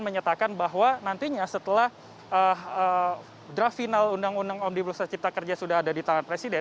menyatakan bahwa nantinya setelah draft final undang undang omnibus law cipta kerja sudah ada di tangan presiden